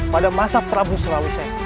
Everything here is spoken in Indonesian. pada masa prabu sulawesi